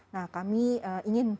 nah kami ingin